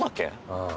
うん。